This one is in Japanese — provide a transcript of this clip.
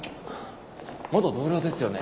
元同僚ですよね？